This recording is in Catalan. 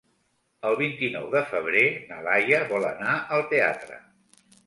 El vint-i-nou de febrer na Laia vol anar al teatre.